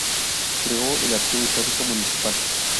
Creó el Archivo Histórico Municipal.